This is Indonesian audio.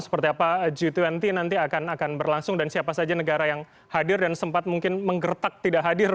seperti apa g dua puluh nanti akan berlangsung dan siapa saja negara yang hadir dan sempat mungkin menggertak tidak hadir